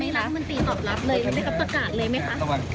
แล้วก็มันตรีตอบรับเลยแล้วก็ประกาศเลยไหมคะ